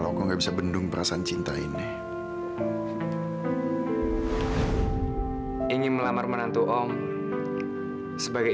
sampai jumpa di video selanjutnya